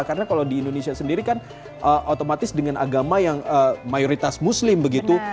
karena kalau di indonesia sendiri kan otomatis dengan agama yang mayoritas muslim begitu